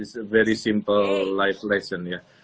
ini adalah pelajaran hidup yang sangat sederhana ya